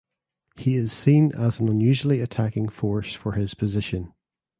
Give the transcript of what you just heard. He is seen as an unusually attacking force for his position.